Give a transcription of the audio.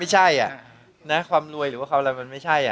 ไม่ใช่อะนะความรวยหรือว่าความอะไรมันไม่ใช่อะ